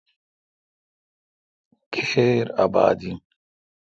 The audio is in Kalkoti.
کھیر اباد این۔